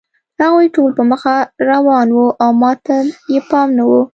هغوی ټول په مخه روان وو او ما ته یې پام نه و